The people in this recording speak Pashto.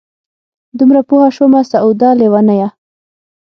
دومره پوه شومه سعوده لېونیه!